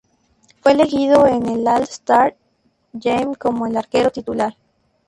Fue elegido en el All-Star Game como el arquero titular.